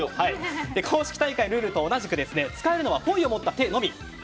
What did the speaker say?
公式大会のルールと一緒で使えるのはポイを持った手のみ。